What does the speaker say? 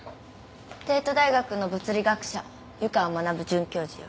帝都大学の物理学者湯川学准教授よ。